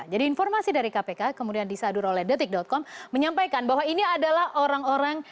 jadi informasi dari kpk kemudian disadur oleh detik com menyampaikan bahwa ini adalah orang orang